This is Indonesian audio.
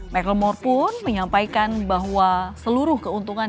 michael moore pun menyampaikan bahwa seluruh keuntungan